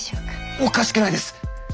おかしくないです。